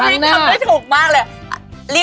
ครั้งหน้าเอออัพรินขับไม่ถูกมากเลย